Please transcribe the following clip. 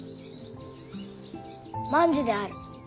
万寿である。